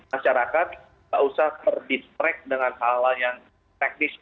masyarakat tidak usah terdistract dengan hal hal yang teknis